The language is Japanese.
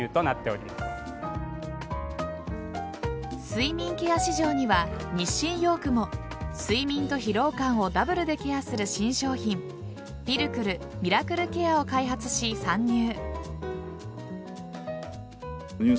睡眠ケア市場には日清ヨークも睡眠と疲労感をダブルでケアする新商品ピルクルミラクルケアを開発し参入。